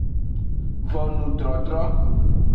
Vonudrodro.